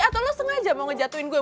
atau lo sengaja mau ngejatuhin gol